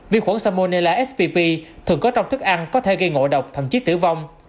viêm khuẩn salmonella spp thường có trong thức ăn có thể gây ngộ độc thậm chí tử vong